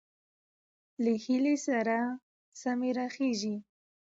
له هيلې سره سمې راخېژي،